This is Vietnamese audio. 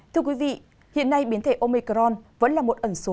thưa quý vị hiện nay biến thể omicron vẫn là một ẩn số